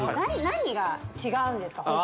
今何が違うんですか？